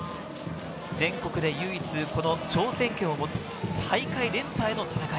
全国で唯一、この挑戦権を持つ大会連覇への戦い。